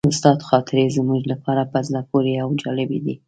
د استاد خاطرې زموږ لپاره په زړه پورې او جالبې دي.